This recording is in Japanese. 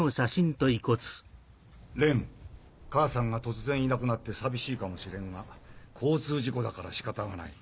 蓮母さんが突然いなくなって寂しいかもしれんが交通事故だから仕方がない。